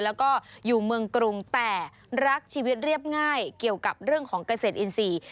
แล้วก็อยู่เมืองกรุงแต่รักชีวิตเรียบง่ายเกี่ยวกับเรื่องของเกษตรอินทรีย์